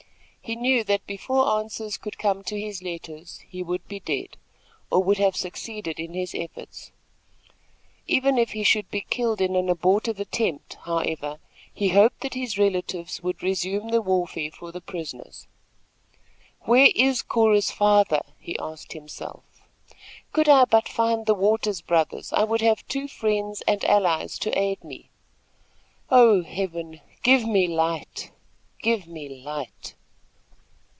He knew that before answers could come to his letters, he would be dead, or would have succeeded in his efforts. Even if he should be killed in an abortive attempt, however, he hoped that his relatives would resume the warfare for the prisoners. "Where is Cora's father?" he asked himself. "Could I but find the Waters brothers, I would have two friends and allies to aid me. Oh, Heaven, give me light! Give me light!"